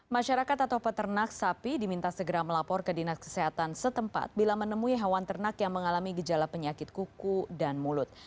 masyarakat atau peternak sapi diminta segera melapor ke dinas kesehatan setempat bila menemui hewan ternak yang mengalami gejala penyakit kuku dan mulut